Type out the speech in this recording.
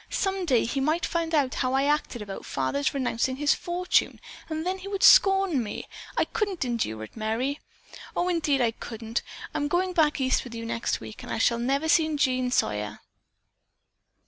"Some day he might find out how I had acted about father's renouncing his fortune, and then he would scorn me! I couldn't endure it, Merry. Oh, indeed, I couldn't! I'm going back East with you next week, and then I shall never see Jean Sawyer."